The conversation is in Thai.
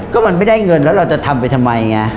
ก็มันไม่ได้เงินแล้วเราจะทำไปทำไมไง